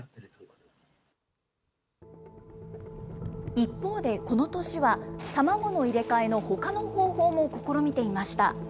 一方でこの年は、卵の入れ替えのほかの方法も試みていました。